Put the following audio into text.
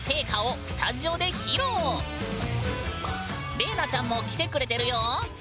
れいなちゃんも来てくれてるよ！